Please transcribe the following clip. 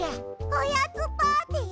おやつパーティー！？